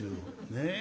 ねえ。